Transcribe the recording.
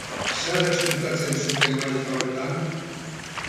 Zer ezkutatzen zuten maleta horretan?